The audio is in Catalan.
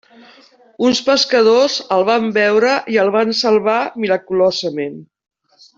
Uns pescadors el van veure i el van salvar miraculosament.